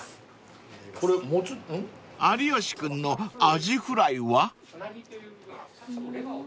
［有吉君のアジフライは？］